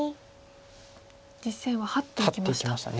実戦はハッていきました。